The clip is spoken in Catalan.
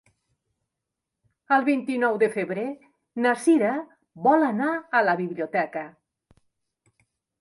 El vint-i-nou de febrer na Cira vol anar a la biblioteca.